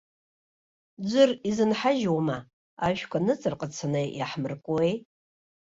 Ӡәыр изынҳажьуама, ашәқәа ныҵарҟацаны иаҳмыркуеи.